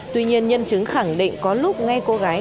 tuy nhiên nhân chứng khẳng định có lúc nghe cô gái